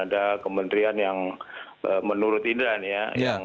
ada kementerian yang menurut indra nih ya